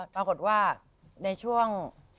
ปรากฏว่าในช่วง